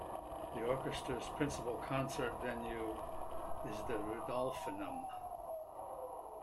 The orchestra's principal concert venue is the Rudolfinum.